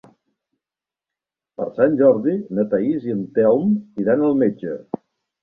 Per Sant Jordi na Thaís i en Telm iran al metge.